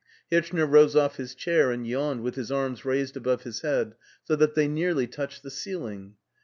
Hirchner rose off his chair and yawned with his arms raised above his head so that they nearly touched the ceiling.